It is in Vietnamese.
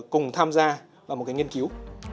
cùng tham gia vào một nghiên cứu